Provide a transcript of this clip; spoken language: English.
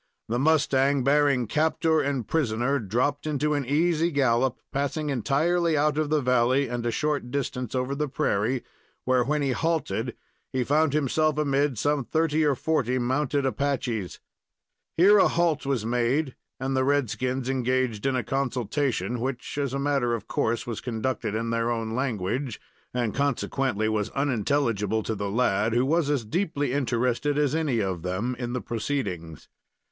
The mustang bearing captor and prisoner dropped into an easy gallop, passing entirely out of the valley and a short distance over the prairie, where, when he halted, he found himself amid some thirty or forty mounted Apaches. Here a halt was made and the red skins engaged in a consultation, which, as a matter of course, was conducted in their own language, and, consequently, was unintelligible to the lad, who was as deeply interested as any of them in the proceedings.